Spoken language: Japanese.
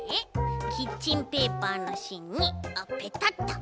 キッチンペーパーのしんにペタッと！